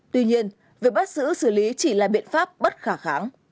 tuy nhiên việc bắt giữ xử lý chỉ là biện pháp bất khả kháng